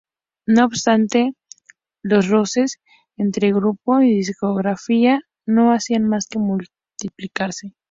No obstante, los roces entre grupo y discográfica no hacían más que multiplicarse.